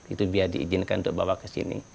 itu dia diizinkan untuk bawa ke sini